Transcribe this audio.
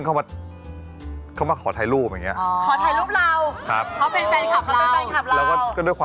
ใช่ครับก็ไม่ได้เป็นไรจะทำอะไรก็ดู